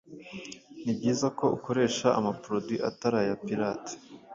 ni byiza ko ukoresha ama produit atari aya pirates